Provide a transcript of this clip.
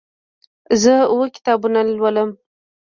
زه اووه کتابونه لولم.